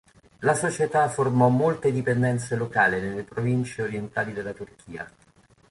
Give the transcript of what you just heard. La società formò molte dipendenze locali nelle province orientali della Turchia.